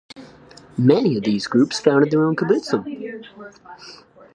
Many of these groups founded their own kibbutzim.